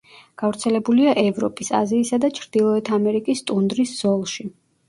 გავრცელებულია ევროპის, აზიისა და ჩრდილოეთ ამერიკის ტუნდრის ზოლში.